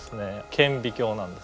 顕微鏡なんです。